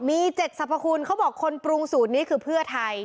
มี๗สรรพคุณเขาบอกคนปรุงสูตรนี้คือเพื่อไทย